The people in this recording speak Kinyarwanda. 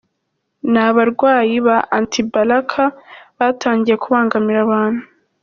"Ni abarwanyi ba anti-balaka batangiye kubangamira abantu.